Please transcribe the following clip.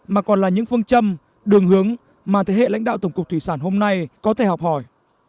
mà còn là những phương châm đường hướng mà thế hệ lãnh đạo tổng cục thủy sản hôm nay có thể học hỏi